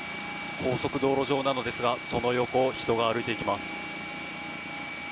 高速道路上なのですがその横を人が歩いていきます。